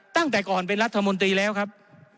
ตั้งแต่ก่อนเป็นรัฐมนตรีแล้วครับ